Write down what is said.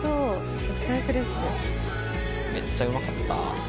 めっちゃうまかった。